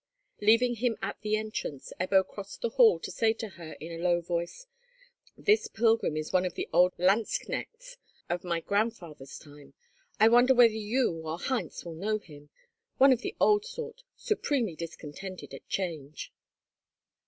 Leaving him at the entrance, Ebbo crossed the hall to say to her in a low voice, "This pilgrim is one of the old lanzknechts of my grandfather's time. I wonder whether you or Heinz will know him. One of the old sort—supremely discontented at change."